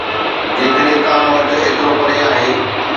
جيڪڏهن توهان وٽ ايترو پري آهي